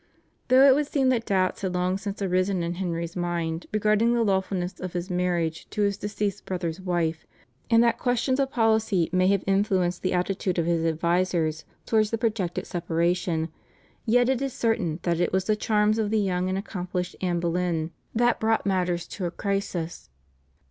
Though it would seem that doubts had long since arisen in Henry's mind regarding the lawfulness of his marriage to his deceased brother's wife, and that questions of policy may have influenced the attitude of his advisers towards the projected separation, yet it is certain that it was the charms of the young and accomplished Anne Boleyn, that brought matters to a crisis.